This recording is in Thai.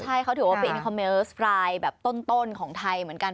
ใช่เขาถือว่าเป็นอินคอมเมลส์รายแบบต้นของไทยเหมือนกัน